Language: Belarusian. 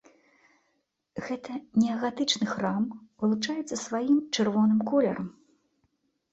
Гэты неагатычны храм вылучаецца сваім чырвоным колерам.